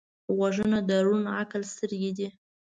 غوږونه د روڼ عقل سترګې دي